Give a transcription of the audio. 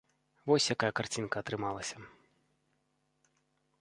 Вось якая карцінка атрымалася.